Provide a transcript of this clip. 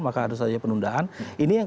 maka ada saja penundaan ini yang